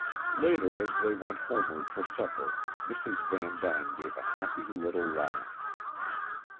Later, as they went homeward for supper, Mrs. Vandyne gave a happy little laugh.